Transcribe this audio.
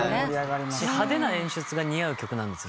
派手な演出が似合う曲なんですよ